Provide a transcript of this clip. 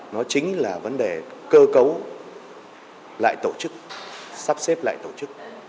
nó chính là vấn đề cơ cấu lại tổ chức sắp xếp lại tổ chức